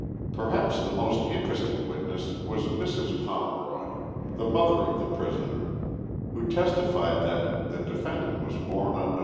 Perhaps the most interesting witness was Mrs. Pomeroy, the mother of the prisoner, who testified that the defendant was born on Nov.